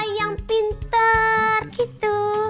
sekolah yang pintar gitu